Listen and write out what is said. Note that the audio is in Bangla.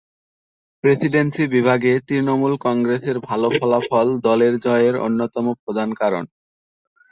প্রেসিডেন্সি বিভাগে তৃণমূল কংগ্রেসের ভালো ফলাফল দলের জয়ের অন্যতম প্রধান কারণ।